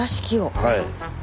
はい。